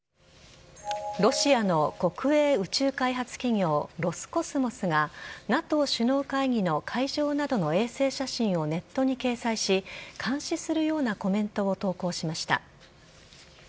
ロシアの国営宇宙開発企業ロスコスモスがＮＡＴＯ首脳会議の会場などの衛星写真をネットに掲載し監視するようなコメントを投稿しました。